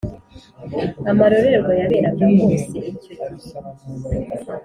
amarorerwa yaberaga hose icyo gihe?